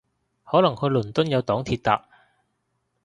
可能去倫敦有黨鐵搭